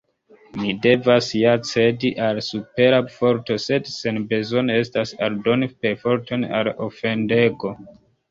Mi devas ja cedi al supera forto, sed senbezone estas aldoni perforton al ofendego.